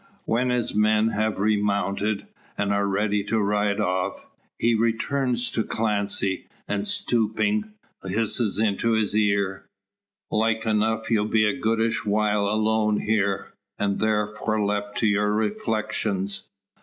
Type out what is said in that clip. When his men have remounted, and are ready to ride off, he returns to Clancy, and, stooping, hisses into his ear: "Like enough you'll be a goodish while alone here, an' tharfore left to your reflections.